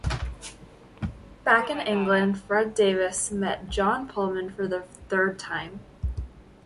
Back in England, Fred Davis met John Pulman for the third time.